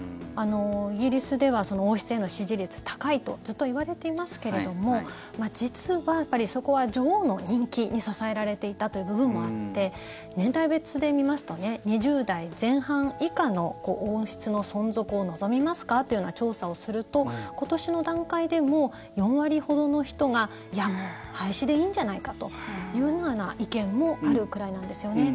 イギリスでは王室への支持率高いとずっと、いわれていますけれども実はそこは女王の人気に支えられていたという部分もあって年代別で見ますと２０代前半以下の王室の存続を望みますか？というような調査をすると今年の段階でも４割ほどの人がいや、もう廃止でいいんじゃないかというような意見もあるくらいなんですよね。